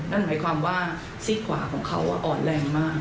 นั่นหมายความว่าซี่ขวาของเขาอ่อนแรงมาก